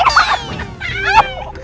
keren banget itu